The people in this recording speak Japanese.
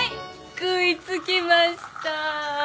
食い付きました。